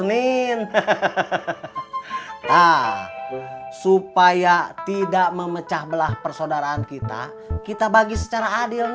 nin hehehe or supaya tidak memecah belah persaudaraan kita kita bagi secara adil ya